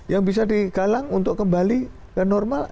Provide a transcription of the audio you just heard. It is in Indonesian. yang bisa di kalang untuk kembali ke normal